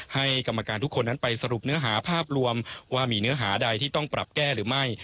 ให้กรรมการทุกคนนั้นไปสรุปเนื้อหาภาพรวมว่ามีเนื้อหาใดที่ต้องปรับแก้หรือไม่